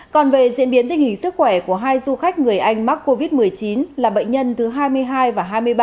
còn về diễn biến tình hình sức khỏe của hai du khách người anh mắc covid một mươi chín là bệnh nhân thứ hai mươi hai và hai mươi ba